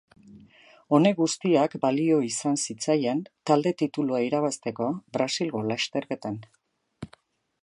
Honek guztiak balio izan zitzaien talde-titulua irabazteko Brasilgo lasterketan.